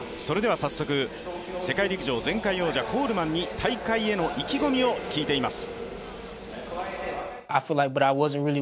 早速、世界陸上前回王者・コールマンに大会への意気込みを聞いています。